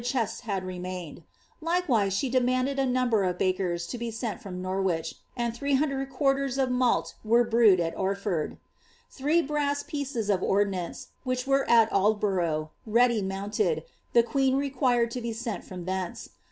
cheau had remained ; likewise she demanded a number of bakers lo wnt from Norwich, and 300 quarters of mnit were brewed at Orfur^,! Thire brass pieces of ordnance, which were ai Aldboniugh. resdf I tnoutited, the queen required to be sent from thence.